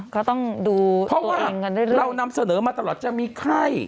พอย์พอว่าเรานำเสนอมาตลอดจะมีไข้